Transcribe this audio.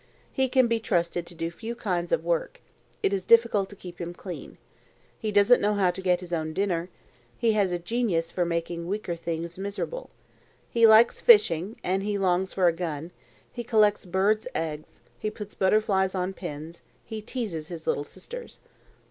He can be trusted to do few kinds of work. It is difficult to keep him clean. He doesn't know how to get his own dinner. He has a genius for making weaker things miserable. He likes fishing, and he longs for a gun; he collects birds' eggs; he puts butterflies on pins; he teases his little sisters."